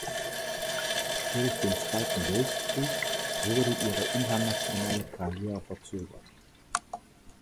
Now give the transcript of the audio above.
Durch den Zweiten Weltkrieg wurde ihre internationale Karriere verzögert.